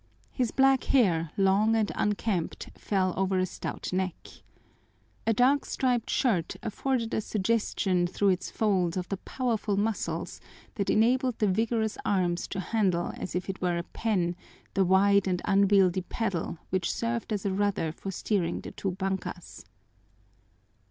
His black hair, long and unkempt, fell over a stout neck. A dark striped shirt afforded a suggestion through its folds of the powerful muscles that enabled the vigorous arms to handle as if it were a pen the wide and unwieldy paddle which' served as a rudder for steering the two bankas.